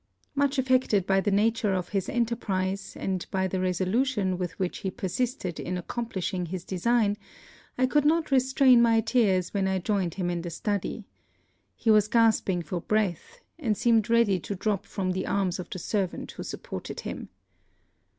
Much affected by the nature of his enterprise, and by the resolution with which he persisted in accomplishing his design, I could not restrain my tears when I joined him in the study. He was gasping for breath; and seemed ready to drop from the arms of the servant who supported him.